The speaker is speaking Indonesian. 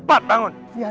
ada jalan yang menyerangmu